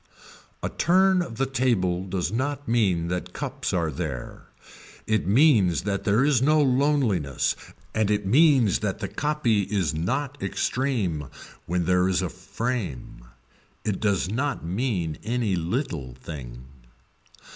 A turn of the table does not mean that cups are there, it means that there is no loneliness and it means that the copy is not extreme when there is a frame. It does not mean any little thing.